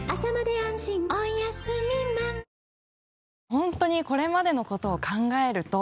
本当にこれまでのことを考えると。